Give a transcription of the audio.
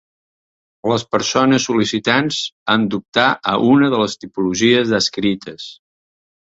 Les persones sol·licitants han d'optar a una de les tipologies descrites.